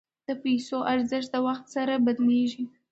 د پیسو ارزښت د وخت سره بدلیږي.